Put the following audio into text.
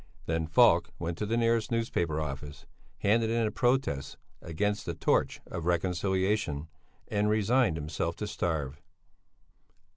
Then Falk went to the nearest newspaper office, handed in a protest against the Torch of Reconciliation, and resigned himself to starve.